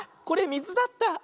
これみずだった。